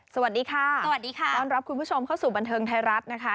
สวัสดีค่ะสวัสดีค่ะต้อนรับคุณผู้ชมเข้าสู่บันเทิงไทยรัฐนะคะ